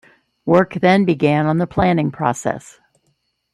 Work then began on the planning process.